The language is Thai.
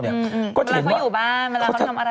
เมื่อเขาอยู่บ้านเมื่อเขาทำอะไรอย่างนี้